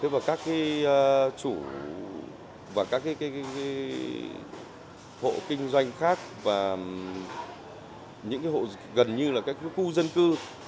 và các chủ và các hộ kinh doanh khác và những hộ gần như là các khu dân cư